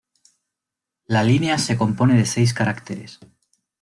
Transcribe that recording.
La línea se compone de seis caracteres.